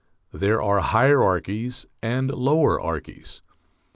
There are hierarchies and lower archies.